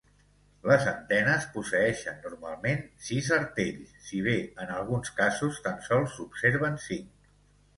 Les antenes posseeixen normalment sis artells, si bé en alguns casos tan sols s'observen cinc.